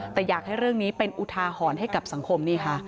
แต่อยากให้เรื่องนี้เป็นอุทาหรณ์ให้กับสังคมนี่ค่ะ